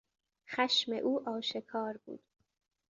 خشم او آشکار بود.